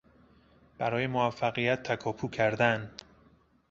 برای موفقیت تکاپو کردن